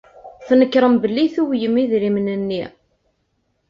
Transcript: Tnekṛem belli tuwyem idrimen-nni.